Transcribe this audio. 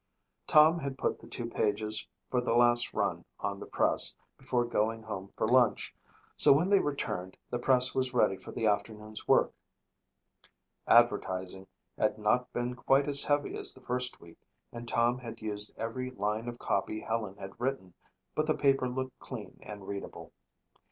Tom had put the two pages for the last run on the press before going home for lunch so when they returned the press was ready for the afternoon's work. Advertising had not been quite as heavy as the first week and Tom had used every line of copy Helen had written, but the paper looked clean and readable.